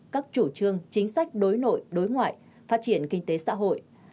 các chủ trương chính sách đối nội đối ngoại phát triển kinh tế xã hội